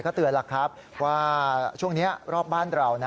เตือนแล้วครับว่าช่วงนี้รอบบ้านเรานะ